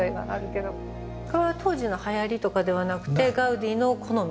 これは当時のはやりとかではなくてガウディの好み？